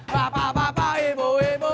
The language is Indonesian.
bapak bapak ibu ibu